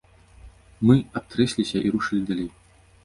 Мы абтрэсліся і рушылі далей.